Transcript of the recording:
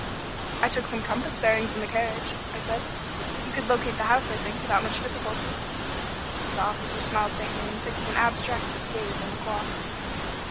"I took some compass bearings in the carriage," I said. "You could locate the house, I think, without much difficulty." The officer smiled faintly and fixed an abstracted gaze on the clock.